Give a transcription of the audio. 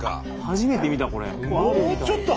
初めて見たこれ。